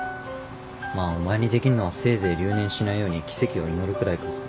まあお前にできんのはせいぜい留年しないように奇跡を祈るくらいか。